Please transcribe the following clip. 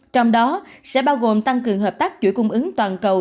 trong đó sẽ bao gồm tăng cường hợp tác chuỗi cung ứng toàn cầu